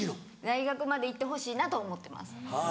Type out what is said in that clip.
大学までいってほしいなと思ってます。